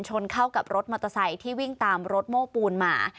ชนเข้ากับรถมอเตอร์ไซค์ที่วิ่งตามรถโม้ปูนมา